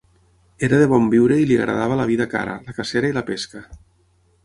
Era de bon viure i li agradava la vida cara, la cacera i la pesca.